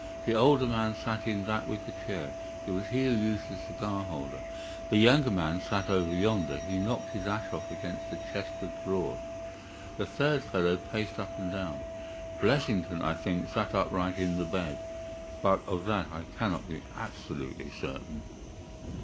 The older man sat in that wicker chair; it was he who used the cigar holder. The younger man sat over yonder; he knocked his ash off against the chest of drawers. The third fellow paced up and down. Blessington, I think, sat upright in the bed, but of that I cannot be absolutely certain.